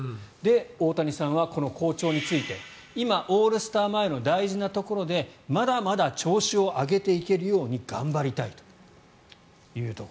大谷さんは、この好調について今、オールスター前の大事なところでまだまだ調子を上げていけるように頑張りたいと。